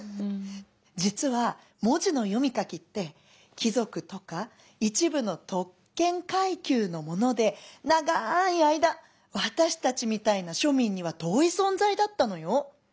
「実は文字の読み書きって貴族とか一部の特権階級のもので長い間私たちみたいな庶民には遠い存在だったのよ」。